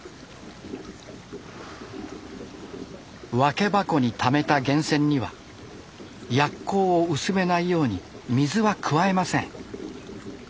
分け箱にためた源泉には薬効を薄めないように水は加えません。